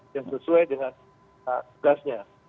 yang sesuai dengan tugasnya